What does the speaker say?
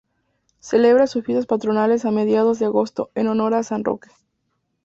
Celebra sus fiestas patronales a mediados de agosto, en honor a San Roque.